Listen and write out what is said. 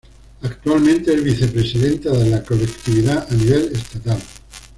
Actualmente es vicepresidenta de la colectividad a nivel estatal.